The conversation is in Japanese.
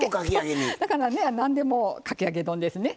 だからね何でもかき揚げ丼ですね。